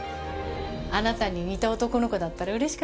あなたに似た男の子だったら嬉しかった？